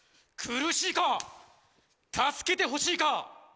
苦しいか！？助けてほしいか！？